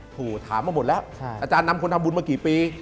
ถูกถามมาหมดแล้วอาจารย์นำคนทำบุญมากี่ปี